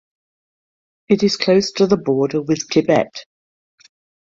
It is close to the border with Tibet.